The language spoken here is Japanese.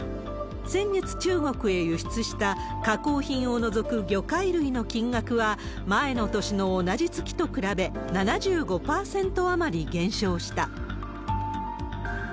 先月、中国へ輸出した加工品を除く魚介類の金額は、前の年の同じ月と比べ、７５％余り減少した。